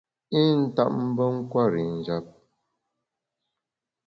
I ntap mbe nkwer i njap.